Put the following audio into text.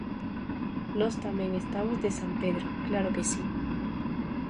Nós tamén estamos de San Pedro, claro que si.